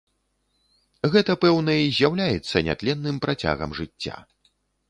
Гэта, пэўна, і з'яўляецца нятленным працягам жыцця.